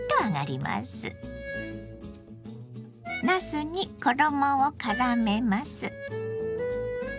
なすに衣をからめます。